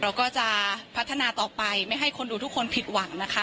เราก็จะพัฒนาต่อไปไม่ให้คนดูทุกคนผิดหวังนะคะ